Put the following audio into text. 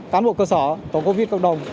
cán bộ cơ sở tổ covid cộng đồng